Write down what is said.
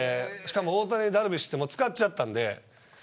大谷とダルビッシュは使ってしまったんで。